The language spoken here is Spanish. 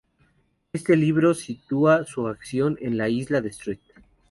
Este libro sitúa su acción en la isla de St.